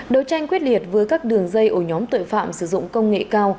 đấu tranh quyết liệt với các đường dây ổ nhóm tội phạm sử dụng công nghệ cao